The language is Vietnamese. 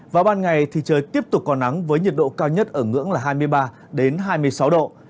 vào ban ngày thì trời tiếp tục có nắng với nhiệt độ cao nhất ở ngưỡng là hai mươi ba hai mươi sáu độ